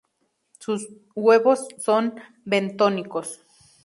Sus huevos son bentónicos.